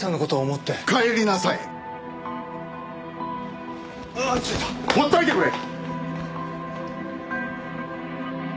放っといてくれ！